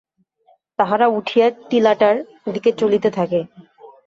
তাহারা উঠিয়া টিলাটার দিকে চলিতে থাকে।